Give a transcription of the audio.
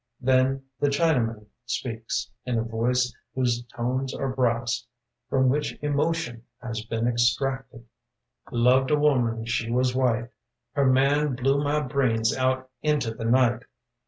Then the Chinaman speaks In a voice whose tones are brass From which emotion has been extracted. "Loved a woman: she was white. Her man blew my brains out into the night.